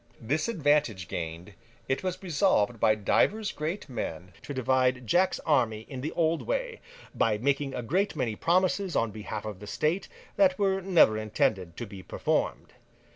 This advantage gained, it was resolved by divers great men to divide Jack's army in the old way, by making a great many promises on behalf of the state, that were never intended to be performed.